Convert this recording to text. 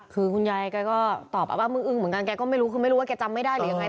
คือคุณยายแกก็ตอบว่ามึงอึ้งเหมือนกันแกก็ไม่รู้คือไม่รู้ว่าแกจำไม่ได้หรือยังไง